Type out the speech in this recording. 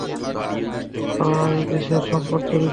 ওরাই দেশের সম্পদ চুরি করছে।